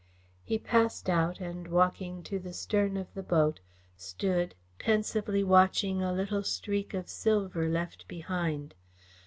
He passed out and, walking to the stern of the boat, stood pensively watching a little streak of silver left behind.